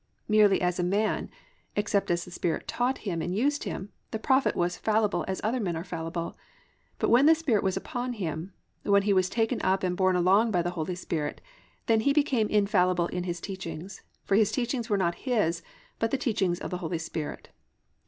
Merely as a man, except as the Holy Spirit taught him and used him, the prophet was fallible as other men are fallible, but when the Spirit was upon him, when he was taken up and borne along by the Holy Spirit, then he became infallible in his teachings; for his teachings were not his, but the teachings of the Holy Spirit.